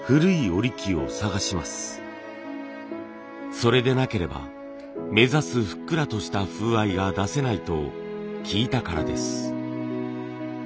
それでなければ目指すふっくらとした風合いが出せないと聞いたからです。